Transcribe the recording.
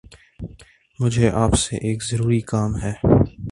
مجھے آپ سے ایک ضروری کام ہے